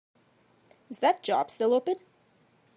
Is that job still open?